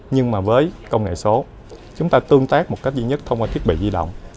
nhưng mà với công nghệ số chúng ta tương tác một cách duy nhất thông qua thiết bị di động